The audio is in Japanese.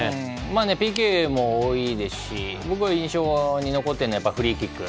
ＰＫも、多いですし僕は印象に残っているのはフリーキック。